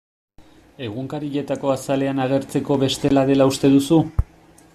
Egunkarietako azalean agertzeko beste dela uste duzu?